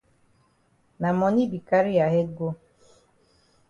Na moni be carry ya head go.